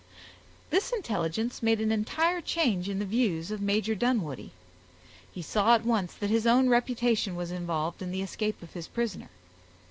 This intelligence made an entire change in the views of Major Dunwoodie. He saw at once that his own reputation was involved in the escape of his prisoner.